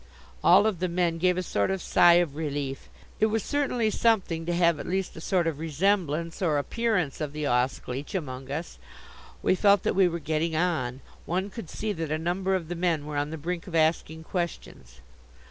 All of the men gave a sort of sigh of relief. It was certainly something to have at least a sort of resemblance or appearance of the Ausgleich among us. We felt that we were getting on. One could see that a number of the men were on the brink of asking questions.